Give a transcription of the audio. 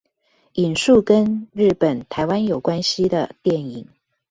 引述跟日本台灣有關係的電影